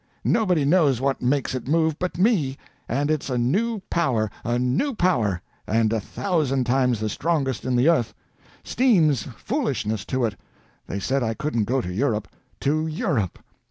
Nobody knows what makes it move but me; and it's a new power—a new power, and a thousand times the strongest in the earth! Steam's foolishness to it! They said I couldn't go to Europe. To Europe!